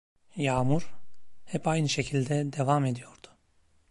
Yağmur, hep aynı şekilde, devam ediyordu.